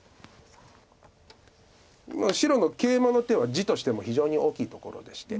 白のケイマの手は地としても非常に大きいところでして。